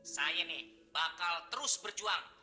saya nih bakal terus berjuang